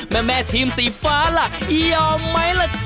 แม่ทีมสีฟ้าล่ะยอมไหมล่ะจ๊